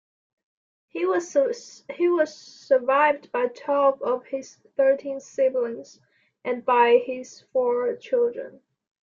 He was survived by twelve of his thirteen siblings, and by his four children.